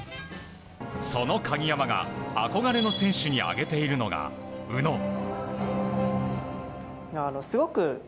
その鍵山が憧れの選手に挙げているのが宇野。